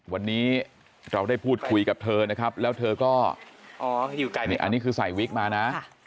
วันนี้เราได้พูดคุยกับเธอนะครับแล้วเธอก็นี่อันนี้คือใส่วิกมานะ